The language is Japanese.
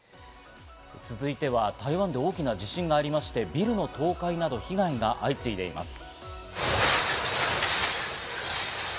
続いては台湾で大きな地震がありまして、ビルの倒壊など被害が相次いでいます。